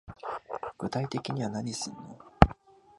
具体的には何すんの